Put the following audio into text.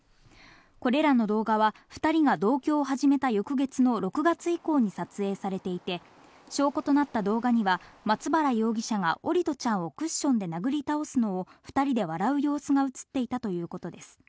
これらの動画は２人が同居を始めた翌月の６月以降に撮影されていて、証拠となった動画には松原容疑者が桜利斗ちゃんをクッションで殴り倒すのを２人で笑う様子が映っていたということです。